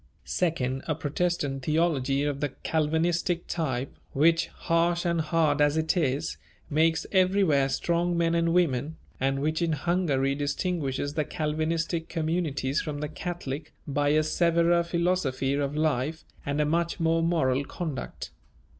Second, a Protestant theology of the Calvinistic type, which, harsh and hard as it is, makes everywhere strong men and women, and which in Hungary distinguishes the Calvinistic communities from the Catholic by a severer philosophy of life and a much more moral conduct.